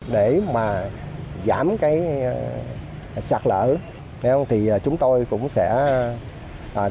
để mà giảm cái sạt lở chúng tôi cũng sẽ sử dụng